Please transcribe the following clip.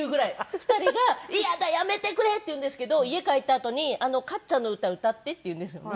２人が「嫌だやめてくれ」って言うんですけど家帰ったあとに「あのかっちゃんの歌歌って」って言うんですよね。